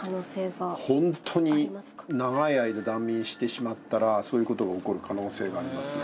ホントに長い間断眠してしまったらそういう事が起こる可能性がありますね。